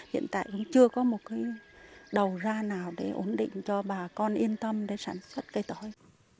hiện tại cũng chưa có một cái đầu ra nào để ổn định cho bà con yên tâm để sản xuất cây tỏi